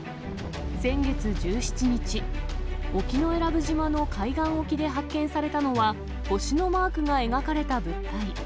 先月１７日、沖永良部島の海岸沖で発見されたのは、星のマークが描かれた物体。